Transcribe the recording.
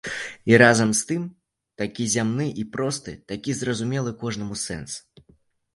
І разам з тым такі зямны і просты, такі зразумелы кожнаму сэнс.